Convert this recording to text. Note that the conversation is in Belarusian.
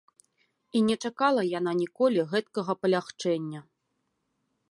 І не чакала яна ніколі гэткага палягчэння.